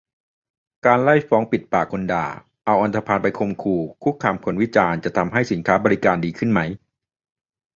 การไล่ฟ้องปิดปากคนด่า เอาอันธพาลไปข่มขู่คุกคามคนวิจารณ์ จะทำให้สินค้าบริการดีขึ้นไหม ?